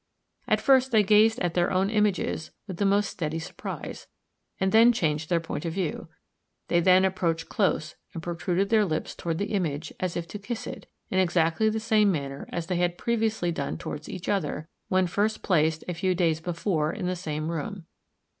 At first they gazed at their own images with the most steady surprise, and often changed their point of view. They then approached close and protruded their lips towards the image, as if to kiss it, in exactly the same manner as they had previously done towards each other, when first placed, a few days before, in the same room.